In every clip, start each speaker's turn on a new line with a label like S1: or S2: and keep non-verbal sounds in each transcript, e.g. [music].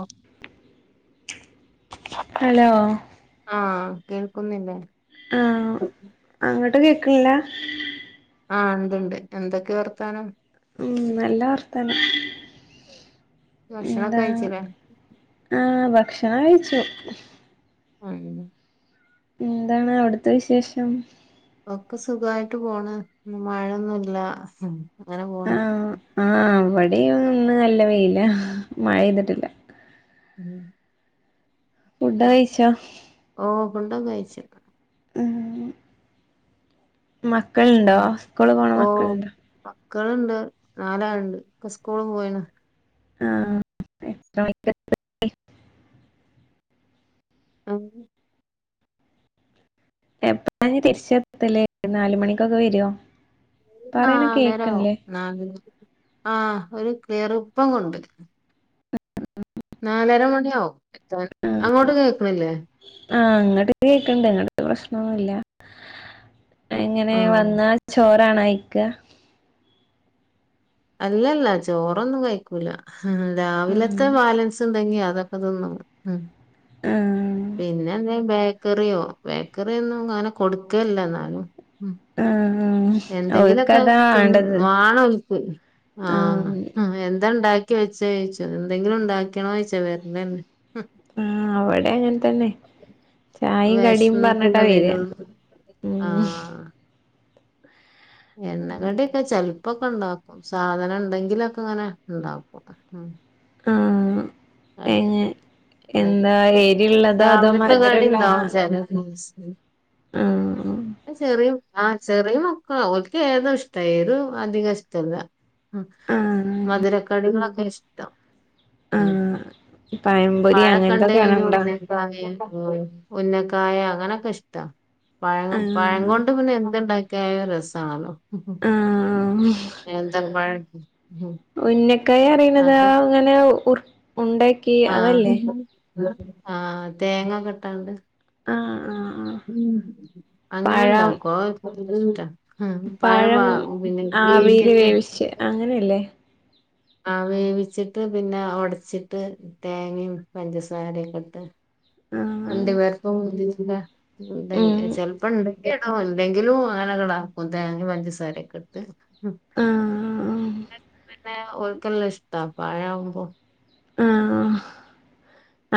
S1: ഉം
S2: ഹലോ
S1: ആ കേൾക്കുന്നില്ലേ
S2: ആ അങ്ങട്ട് കേക്ക്ൺല്ല
S1: ആ ഇണ്ട്ണ്ട് എന്തൊക്കെ വർത്താനം
S2: ഉം നല്ല വർത്താനം
S1: ഭക്ഷണോക്കെ
S2: എന്താ
S1: കഴിച്ചിലേ
S2: ക്ഷണം കഴിച്ചു
S1: ഉം
S2: എന്താണ് അവിട്ത്തെ വിശേഷം
S1: ഒക്കെ സുഖായിട്ട് പോണ് ന്ന് മഴൊന്നുല്ല അങ്ങനെ
S2: ആ
S1: പോണ്
S2: ആ വടെയും ഇന്ന് നല്ല വെയിലാ മഴെയ്തിട്ടില്ല
S1: ഉം
S2: ഫുഡ് കഴിച്ചാ
S1: ഓഹ് ഫുഡൊക്കെ കയ്ച്ച്
S2: മക്കൾണ്ടോ സ്കൂള് പോണ മക്കൾണ്ടോ
S1: മക്കള്ണ്ട് നാലാള്ണ്ട് ഒക്കെ സ്കൂൾ പോയിണ്
S2: ആ എത്ര [unintelligible]
S1: അ
S2: എപ്പഴാ ഞ്ഞ് തിരിച്ചെത്തല് നാല് മണിക്കൊക്കെ വരാേ
S1: നാലരാവും നല് ആഹഒരു കയറുപ്പം കൊണ്ട നാലര മണിയാവും എത്താൻ
S2: ആഹ്
S1: അങ്ങോട്ട് കേക്കണില്ലേ
S2: ആഹ് അങ്ങട്ട് ഇത് കേക്കണ്ട് ഇങ്ങട്ട പ്രശ്നൊന്നുമല്ല എങ്ങനെ
S1: ആഹ്
S2: വന്നാ ചോറണയിക്ക
S1: അല്ലല്ല ചോറൊന്നും കഴിക്കൂല രാവിലത്തെ
S2: ആഹ്
S1: ബാലൻസ് ഉണ്ടെങ്കി അ അതൊക്കെന്ന ഉ
S2: ആഹ്
S1: പിന്നെ എന്താ ബേക്കറിയോ ബേക്കറൊന്നും അങ്ങനെ കൊടുക്കല്ല എന്നാലും
S2: ആ
S1: എന്തെങ്കിലുമൊക്കെ വാണക്ക് ആ
S2: ആഹ്
S1: എന്താണ്ടാക്കി ച്ചോ എന്തെങ്കിലും ഉണ്ടാക്കണോ ചഴച്ചോ വെറെ തന്നെ
S2: ആ അവിടെ അങ്ങനെ തന്നെ ചായയും കടിയും പറഞ്ഞിട്ടാ
S1: വെശന്നിട്ടല്ലേ
S2: വരിയാ
S1: വരുള്ളൂ
S2: ഉ
S1: ആഹ് എണ്ണ കടിയൊക്കെ ചെല ഇപ്പൊക്കെ ഉണ്ടാക്കും സാധനം ഉണ്ടെങ്കിലൊക്കെ ഇങ്ങനെ ഉണ്ടാക്കും ഉ
S2: ആ
S1: അല്ല
S2: എരിള്ളതോ അതോ
S1: രാവിലത്തെക്കാടി
S2: മധുരള്ള
S1: ഉണ്ടാവുംച്ചാ
S2: ആഹ്
S1: ചെറിയ ആ ചെറിയ മക്കളാ ഓൾക്ക് ഏതോ ഇഷ്ടായിരു അധിക ഇഷ്ടല്ല ഉ
S2: ആഹ്
S1: മധുരക്കടികളൊക്കെ ഇഷ് ഉ
S2: ആഹ് പഴംപൊരി
S1: പഴ
S2: അങ്ങനത്തൊക്കെയാണോ
S1: കണ്ടന്
S2: ഇണ്ടാ
S1: ഒന്നേക്ക ഉുന്നക്കായ അങ്ങനെയൊക്കെ ഇഷ്ടാ പഴ പഴം
S2: ആഹ്
S1: കൊണ്ട് പിന്നെ എന്തുണ്ടാക്കി കേ രസാണോന്തഴ
S2: ആഹ് കൈ അറിയുന്നതാ അങ്ങനെ ഉർ ഉണ്ടാക്കി
S1: ആ
S2: അതല്ലേ
S1: ആ തേങ്ങക്കെ ഇട്ടാണ്ട്
S2: ആഹ് ആഹ് ആഹ് പഴം
S1: അങ്ങനെണ്ടാക്കോ ആ പഴ വ
S2: പഴം ആവിൽ
S1: പിന്നെട്ട്
S2: വേവിച്ച് അങ്ങനെയല്ലേ
S1: ആ വേവിച്ചിട്ട് പിന്നെ ഒടച്ചിട്ട് തേങ്ങയും പഞ്ചസാരയക്കെ ഇട്ട്
S2: ആഹ്
S1: അണ്ടി വേറപ്പ ഉണ്ടെ
S2: ഉം
S1: ചെിലപ്പ ഇണ്ട് ഇടല്ലെങ്കിലും അങ്ങനകടാ തേങ്ങ പഞ്ചസാരയൊക്കെ എടുത്ത്
S2: ആഹ്
S1: പിന്നെ ഓക്കല്ലാം ഇഷ്ടം പഴവുമ്പോ
S2: ആ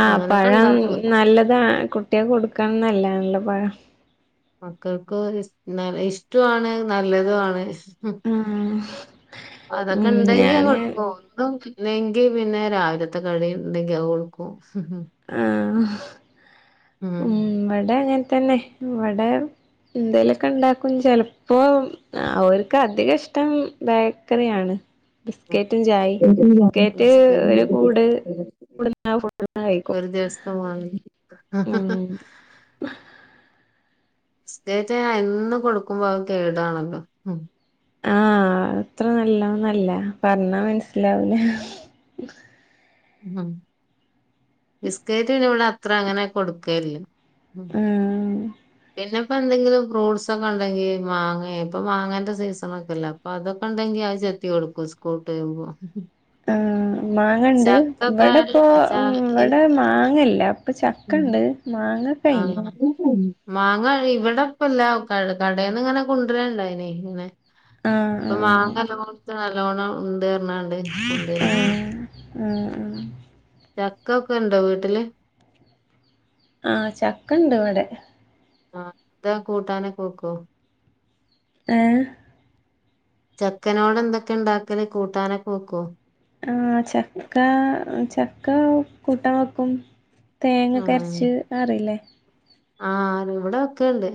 S2: ആ
S1: അങ്ങനൊക്കെ
S2: പഴം
S1: ഇണ്ടാക്കും
S2: നല്ലതാണ് കുട്ടിയെ കൊടുക്കണംന്നല്ലാണല്ലോ പഴം
S1: മക്കൾക്ക് നല്ല ഇഷ്ടമാണ് നല്ലതുവാണ് ഉ
S2: ആഹ്
S1: അതൊക്കെ
S2: ഉം
S1: ഉണ്ടെങ്കി
S2: ഞാന്
S1: പോ ഇല്ലെങ്കി പിന്നെ രാവിലത്തെ കടി ഉണ്ടെങ്കിൽ കൊടുക്കും
S2: ആ
S1: ആ
S2: അങ്ങനെ തന്നെ വടെ എന്തേലൊക്കെ ഇണ്ടാക്കും ചെലപ്പോ അവർക്ക് അധികം ഇഷ്ടം ബേക്കറിയാണ് ബിസ്കറ്റും ചായ ബിസ്കറ്റ് ഒരു കൂട് [unintelligible]
S1: ഒരു ദിവസം വാങ്ങി
S2: ഉം
S1: സ്റ്റേറ്റ് എന്നും കൊടുക്കുമ്പോ അത് കേടാണല്ലോ
S2: ആ അത്ര നല്ലോന്നല്ല പറഞ്ഞാ മനസിലാവില്ലാ ഹ്
S1: ഉം ബിസ്കറ്റ് ഇനി ഇവിടെ അത്ര അങ്ങനെ കൊടുക്കയില്ല ഉം
S2: ആഹ്
S1: പിന്നെ ഇപ്പന്തെങ്കിലും ഫ്രൂട്ട്സൊക്കെ ഉണ്ടെങ്കി മാങ്ങേ ഇപ്പോ മാങ്ങേന്റെ സീസണൊക്കെല്ലേ അപ്പോ അതൊക്കെണ്ടെങ്കി അഹ് ചെ ത്തി കൊടുക്കും സ്കൂള് വിട്ട് വരുമ്പോ
S2: ആ മാങ്ങണ്ട് ഇവിടെപ്പോ
S1: ചക്കൊക്കെ ച
S2: മ്മ് ഇവിടെ
S1: ഈ
S2: മാങ്ങല്ല ഇപ്പ ചക്കണ്ട് മാങ്ങ കഴിഞ്ഞ്
S1: ആഹ് ഉം മാങ്ങ ഇവടെ ഇപ്പല്ല കടയിന്ന് ഇങ്ങനെ [unintelligible]
S2: ആഹ്
S1: ഇപ്പൊ മാങ്ങ
S2: ആഹ്
S1: [unintelligible] നല്ലോണം [unintelligible] കൊണ്ടുവരിന്നാണ്
S2: ആ ആ
S1: ചക്ക ക്കെ ണ്ടോ വീട്ടില്?
S2: ആഹ ചക്കണ്ട് ഇവിടെ
S1: ആഹ എന്താ കൂട്ടാനൊക്കെ വക്കോ?
S2: ഏ
S1: ചക്കനോട് എന്തൊക്കെ ഉണ്ടാക്കല്? കൂട്ടാനൊക്കെ വെക്കോ
S2: ആ ചക്ക ചക്ക കൂട്ടാൻ വെക്കും തേങ്ങക്കെ അരച്ച് അറിയില്ലേ?
S1: ആ ഇവിടെ വെക്കല്ണ്ട്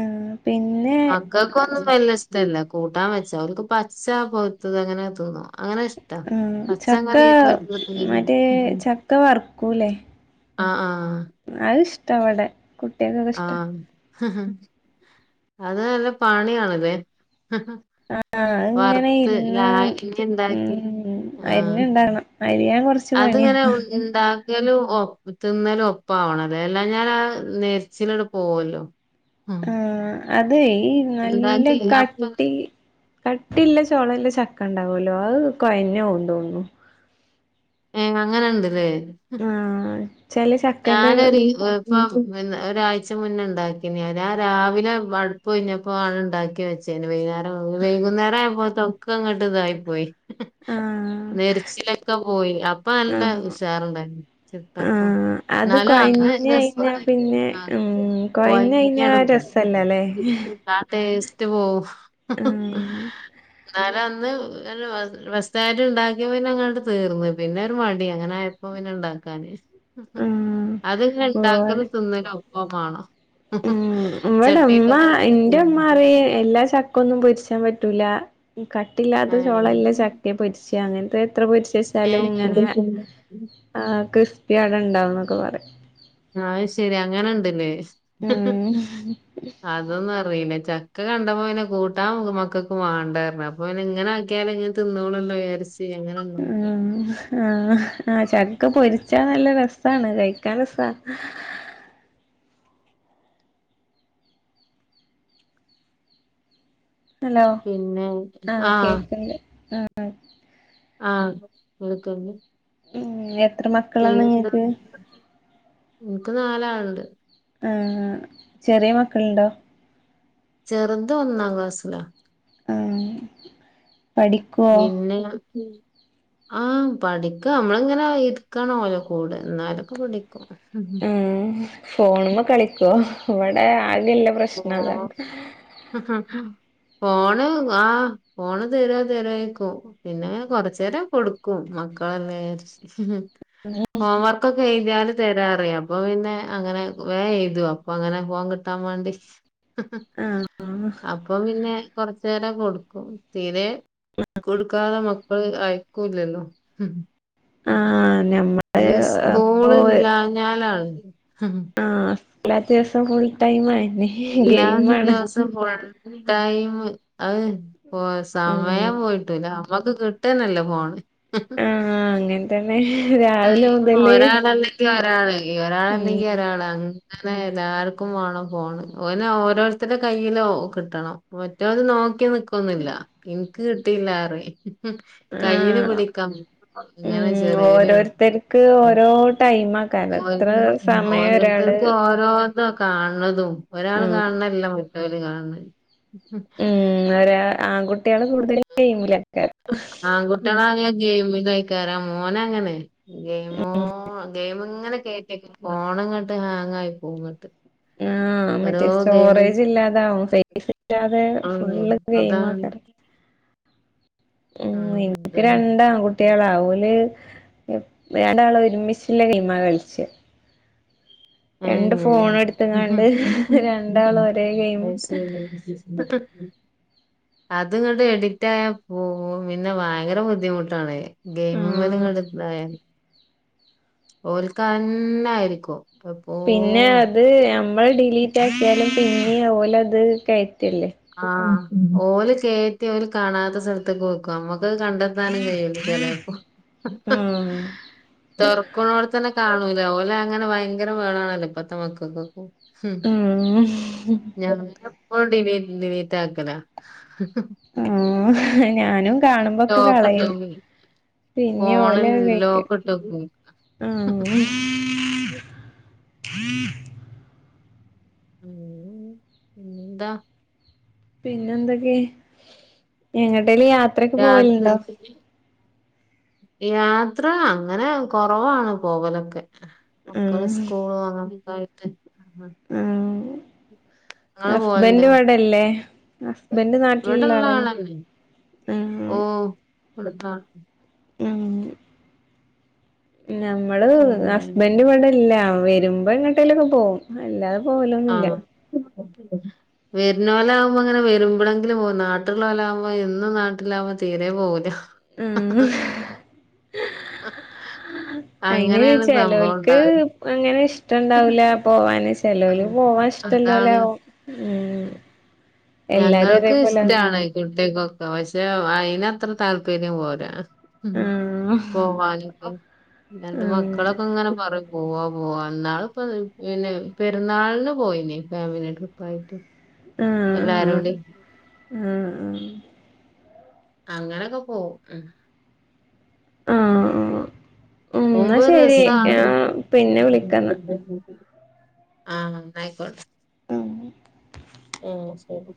S2: ആഹ് പിന്നെ
S1: മക്കക്കൊന്നും വല്ല്യഷ്ടല്ല കൂട്ടാൻ വെച്ചാ അവർക്ക് പച്ച പോഴ്ത്തത് അങ്ങനെ തിന്നും അങ്ങനെ ഇഷ്ട
S2: ആഹ് ചക്ക
S1: പച്ചങ്ങനെ ഇരിഞ്ഞി
S2: മറ്റേ ചക്ക
S1: [unintelligible]
S2: വറക്കൂലേ അത് ഇഷ്ട ഇവിടെ കുട്ടികൾക്കൊക്കെ ഇഷ്ടാ
S1: ഹ ഹ അത് നല്ല പണിയാണല്ലേ?
S2: ആഹ് അത് ഇങ്ങനെ
S1: വറുത്ത് ല
S2: ഇരുന്ന്
S1: എന്താക്കി
S2: ഉം
S1: ആഹ്
S2: അരിഞ്ഞുണ്ടാക്കണം അരിയാൻ കൊറച്ച്
S1: അത്ങ്ങനെ
S2: പണിയാ
S1: ഉ ണ്ടാ ക്കലും ഓപ് തിന്നലും ഒപ്പവണം അല്ലാഞ്ഞാൽ ആ നെറിച്ചിൽ പോവല്ലോ. ഉം
S2: ആഹ് അതെ ഈ നല്ല
S1: ഇണ്ടാക്കി അപ്പ
S2: കട്ടി കട്ടില്ല ചൊളല്ല ചക്കണ്ട ലോ അത് കൊഴഞ്ഞോവും തോന്നുന്നു
S1: ഏഹ് അങ്ങനെണ്ട് ല്ലേ
S2: ആഹ് ചെല ചക്കന്റെ
S1: ഞാനറി ഇപ്പ ഒരാഴ്ച മുന്നേണ്ടാക്കി ആ രാവിലെ അടുപൊഴിഞ്ഞപ്പോ ആണ ഉണ്ടാക്കി വെച്ച ചെയ്ൻ വൈനാ വൈകുന്നേര ആയപ്പോ തൊക്ക അങ്ങോട്ട് ഇതായി പോയി
S2: ആഹ്
S1: നെരിച്ചിലൊക്കെ പോയി അപ്പ നല്ല
S2: ആഹ്
S1: ഉഷാറുണ്ടായി ചിട്ടപ്പ
S2: ആഹ് അത്
S1: എന്നാലും
S2: കൊഴഞ്ഞ്
S1: അന്ന്
S2: കഴിഞ്ഞാ പിന്നെ
S1: ആ
S2: ഉം കൊഴഞ്ഞ് കഴിഞ്ഞാ
S1: കോയഞാങ്ങാട് പോയി
S2: രസല്ലല്ലേ
S1: ആ ടേസ്റ്റ് പോവും
S2: ആഹ് [unintelligible]
S1: തന്ന് ഫസ്റ്റയിട്ട് ഉണ്ടാക്കിയപ്പന്നെങ്ങനെ തീർന്ന് പിന്നെ ഒരു മടി അങ്ങനെ ആയപ്പോ പിന്നെ ണ്ടാക്കാന്. അത്ങ്ങനെ
S2: ആഹ്
S1: ഉണ്ടാക്കുന്ന തിന്നിണോം ഒപ്പവണം
S2: ഉം ഇവടെ മ്മ
S1: എടുത്ത്
S2: എന്റെ മ്മ അറിയും എല്ലാ ചക്കൊന്നും പൊരിച്ചാൻ പറ്റൂല കട്ടില്ലാത്ത
S1: ഏഹ്
S2: ചോളല്ല ചക്കെ പൊരിച്ച അങ്ങനത്തെ എത്ര പൊരിച്ചച്ചാലും ഇങ്ങനെ
S1: ഏഹ്
S2: ക്രിസ്പിഅടണ്ടാവും എന്നൊക്കെ പറ
S1: ആഹ് ശരി അങ്ങനെ ഇണ്ടല്ലേ
S2: ഉം
S1: അതൊന്ന ല്ല ചക്ക കണ്ടപ്പോ പിന്നെ കൂട്ടാ മക്കക്ക് വാണ്ടാർഞു അപ്പൊ പിന്നെ ഇങ്ങനെ ആക്കിയാല തിന്നോലൊ [inaudible]
S2: ഉ ആഹആ ചക്ക പോരിച്ചു ച്ചാ നല്ല രസമാണ് കഴിക്കാൻ രസ ഹലോ
S1: പിന്നെ
S2: ആ കേക്കേ
S1: ആ എടുത്തണ്ട്
S2: ഉ എത്ര മക്കളാണ്ങ്ങക്ക്
S1: നിക്ക് നാലാളുണ്ട്
S2: ആ ചെറിയ മക്കൾണ്ടോ
S1: ചെറുത് ഒന്നാം ക്ലാസ്സില
S2: ആഹ് പഠിക്കുവോ
S1: പിന്നെ ആഹ് പഠിക്ക നമ്മളിങ്ങനെ ഇരിക്കണ ഓലോ കൂട് എന്നാലൊക്കെ പഠിക്ക
S2: ഉം ഫോണ്മ്മെ കളിക്കുവോ ഇവിടെ അതിനല്ല പ്രശ്നം അതാ
S1: ഫോണ് ആഹ ഫോണ് തരാ തരാേക്കും പിന്നെ കൊറച്ച നേര കൊടുക്കും മകളല്ല ഹോംവർക്കക്ക ചെയതല് തരാറ അപ്പൊ പിന്നെ അങ്ങനെ വേ ചെയയ്തു അപ്പൊ അങ്ങനെ ഫോം കിട്ടാൻ വേണ്ടി
S2: ആഹ്
S1: അപ്പം പിന്നെ കൊറച്ചു നേേരം കൊടുക്കും തീരെ കൊടുക്കാതെ മക്കള് അയക്കൂല്ലല്ലോ
S2: ആഹ ഞമ്മള്
S1: പിന്നെ
S2: പോ
S1: സ്കൂള് ഇല്ലാഞ്ഞാലാണ് [unintelligible]
S2: എല്ല ദിവസം ഫുൽ ടൈം ആ
S1: എല്ലാ ദിവസം പോ ടൈം അത് പോ
S2: ഉം
S1: സമയം പോയിട്ടൂല നമ്മത് കിട്ടാനല്ലേ പോണ്
S2: ആഹ അങ്ങനെ തന്നെ
S1: അ
S2: രാവിലെ മുതല്
S1: ഒരാളല്ലെങ്കിൽ ഒരാള് ഒരാൾല്ലെങ്കി
S2: ഉം
S1: ഒരാള അനെ എല്ലാർക്കും വേണം ഫോണ് ഓനെ ഓരോരുത്തരുടെ കയ്യിലോ കിട്ടണം മറ്റത് നോക്കി ക്കൊന്നില്ല എനിക്ക് കിട്ടിയില്ലാറീം കയ്യിൽ
S2: ആഹ്
S1: പിടിക്കാം
S2: ഉം
S1: അങ്ങനെ ചെറിയരു
S2: ഓരോരുത്തർക്ക് ഓരോ ടൈമാക്കാരം എത്ര സമയം ഒരാള്
S1: ഓരോരുത്തർക്കും ഓരോന്ന കാണ കാതും ഒരാൾ
S2: ആഹ്
S1: കാണണല്ല മറ്റവര് കാണ
S2: ഉം ഒര ആൺകുട്ടികള് കൂടുതല ഗെയിമില ആക്കാറ്
S1: ഗെയിമ കയിക്കാറാ മോന അങ്ങനെ ഗെയിമോ ഗെയിമ ഇങ്ങനെ കേ പോണം ഇങ്ങോട്ട് ഹാങ് ആയി പോൂങ്ങോട്ട്
S2: ആഹ് ആ മറ്റേ സ്റ്റോറേജ് ഇല്ലാതാവും ഫസ് ഇല്ലാതെ
S1: ഉം
S2: ഫുള്ള് ഗെയിം
S1: അതാണ്
S2: ആക്കറ് [inaudible] ഉം
S1: ആഹ്
S2: എനിക്ക്
S1: അതന്നെ
S2: രണ്ടാട്ട കുട്ടികളാവല് രണ്ടാള് ഒരുമിച്ചില്ല കീമാ കളിച്ച
S1: ആ
S2: രണ്ട് ഫോൺ എടുത്ത്ങ്ങാണ്ട്
S1: അത്
S2: രണ്ടാളും
S1: ശരി
S2: ഒരേ ഗെയിം
S1: അത് ഇങ്ങോട്ട് എഡിക്റ്റ് ആയാ പോ പിന്നെ ഭയങ്കര ബുദ്ധിമുട്ടാണ് ഗെയിമ
S2: ആഹ്
S1: പോലങ്ങടുായ ഓൽക്കന്ന ആയിരിക്കും
S2: പിന്നെ അത് നമ്മൾ ഡിലീറ്റ് ആക്കിയാലും പിന്നെ പോല അത് ക
S1: ആഹ ഓല് കയറ്റി ഓല് കാണാത്ത സ്ഥലത്തൊക്ക നോക്കും നമ്മക്ക് അത് കണ്ടെത്താനും കഴൂല ചിലപ്പോ
S2: ആഹ്
S1: തെർക്കണോടെ തന്നെ കാണൂല ഓലെ അങ്ങനെ ഭയങ്കര വേണണല്ലോ ഇപ്പത്തെ മക്കൾക്കൊക്ക
S2: ഉം
S1: ഉഞപ്പോ ഡി ഡീലീറ്റ് ആക്കല
S2: ആ ഞാനും കാണുമ്പോക്കെ കളയും
S1: ലോക്ക്ട്ടോക്കും
S2: പിന്നെ ഓല
S1: ഫോണിൽ
S2: കയറ്റ്ആഹ
S1: ലോക്ക്ട്ടോക്കും
S2: [unintelligible]
S1: പിന്നെന്താ?
S2: പിന്നെ എന്തൊക്കെ എങ്ങട്ടേല യാത്രക്കെ
S1: രാത്രി
S2: പോവലുണ്ടോ
S1: യാത്ര അങ്ങനെ കൊറവാണ് പോവലൊക്കെ മക്കള്
S2: ആഹ്
S1: സ്കൂള ആയിട്ട്
S2: ആഹ്
S1: ങ്ങള്
S2: ഹസ്ബൻഡ്
S1: പോണ്ടോ
S2: ഇവിടെല്ലേ ഹസ്ബൻഡ് നാട്ടിലുള്ള
S1: ഇവിടെള്ള
S2: ആളല്ലേ
S1: ആളന്നെ
S2: ആഹ്
S1: ഓ അടുത്താ
S2: മ്മ് നമ്മള്
S1: പിന്നെ
S2: ഹസ്ബന്ഡ് പടെല്ല വരുമ്പോ എങ്ങോട്ടേലൊക്കെ പോകും അല്ലാതെ പോലൊന്നില്ല
S1: വരുന്നോലാകുമ്പോൾ അങ്ങനെ വരുമ്പഴെങ്കിലും പോകും നാടട്ടിലുള്ളോലാകുമ്പോൾ എന്നും നാട്ടിലാകുമ്പോ തീരെ പോകുല
S2: ഉം അയിന്
S1: അങ്ങനെയാണ് സംഭവം
S2: ചെലോൽക്ക്
S1: ഉണ്ടാവല്
S2: അങ്ങന ഇഷ്ടണ്ടാവൂല പോവാന് ചേലോല് പോവാൻ ഇഷ്ടല്ലോലേവും
S1: ഉ ഞങ്ങൾക്ക്
S2: ഒരേപോലെ
S1: ഇഷ്റ്റാണ് കുട്ടികൾക്കൊക്കെ പക്ഷെ അയിന് അത്ര താല്പര്യം പോരാ ഉം
S2: ആഹ്
S1: പോവാന് ഉം രണ്ട്
S2: ആഹ്
S1: മക്കളൊക്കെ ഇങ്ങനെ പറയും പോവാ പോവാ എന്നാളിപ്പ പിന്നെ പെരുന്നാളിന് പോയിനേ ഫാമിലി ട്രിപ്പായിട്ട്
S2: ആഹ്
S1: എല്ലാരൂടി
S2: ആഹ്
S1: അങ്ങനെയൊക്കെ പോവും ഉം
S2: ആഹ് ആ എന്നാ
S1: പോകുമ്പോ ഒരു
S2: ശരി
S1: രസാണ്.
S2: പിന്നെ വിളിക്കന്നാ
S1: ആഹ് അന്നാ ആയിക്കോട്ടെ
S2: ആഹ്
S1: ആ ശരി